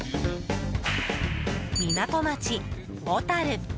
港町、小樽。